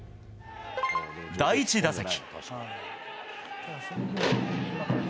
第１打席。